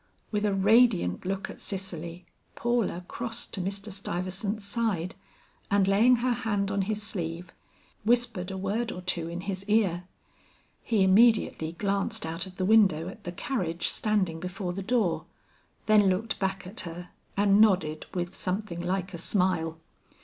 With a radiant look at Cicely, Paula crossed to Mr. Stuyvesant's side, and laying her hand on his sleeve, whispered a word or two in his ear. He immediately glanced out of the window at the carriage standing before the door, then looked back at her and nodded with something like a smile.